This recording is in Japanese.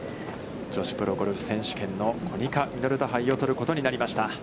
女子プロゴルフ選手権のコニカミノルタ杯を取ることになりました。